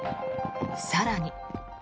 更に。